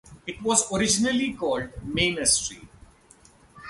It was originally called Manor Street.